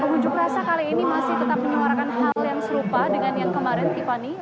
pengunjuk rasa kali ini masih tetap menyuarakan hal yang serupa dengan yang kemarin tiffany